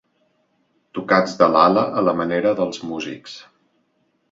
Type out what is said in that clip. Tocats de l'ala a la manera dels músics.